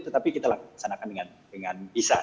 tetapi kita laksanakan dengan bisa